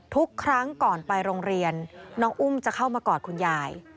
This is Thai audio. ทุกครั้งก่อนไปโรงเรียนน้องอุ้มจะเข้ามากอดคุณยาย